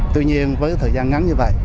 tuy nhiên với thời gian ngắn như vậy